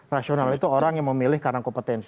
rasional itu orang yang memilih karena kompetensi